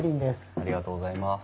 ありがとうございます。